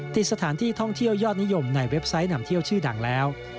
ติดสถานที่ท่องเที่ยวยอดนิยมในเว็บไซต์นำเที่ยวชื่อดังแล้ว